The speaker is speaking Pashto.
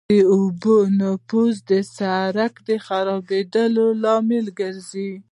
د اوبو نفوذ د سرک د خرابېدو لامل کیږي